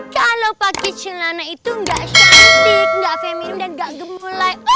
kalau pake celana itu gak cantik gak feminim dan gak gemulai